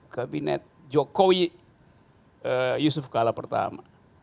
kabinet jokowi yusuf kala pertama